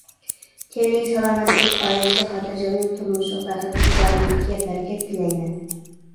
تېنىگە سالامەتلىك، ئائىلىسىگە خاتىرجەملىك، تۇرمۇشىغا بەخت، ئىجادىيىتىگە بەرىكەت تىلەيمەن!